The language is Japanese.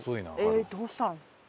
えどうしたん？